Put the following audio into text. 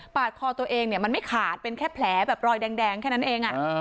คอตัวเองเนี่ยมันไม่ขาดเป็นแค่แผลแบบรอยแดงแค่นั้นเอง